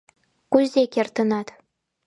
— Кузе кертынат?